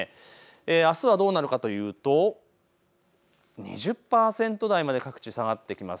あすはどうなるかというと２０％台まで各地下がってきます。